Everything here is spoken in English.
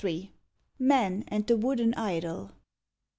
MAN AND THE WOODEN IDOL.